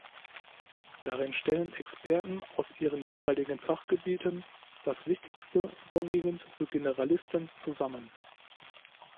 Darin stellen Experten aus Ihren jeweiligen Fachgebieten das Wichtigste vorwiegend für Generalisten zusammen.